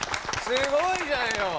すごいじゃんよ。